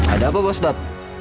ada apa bos dat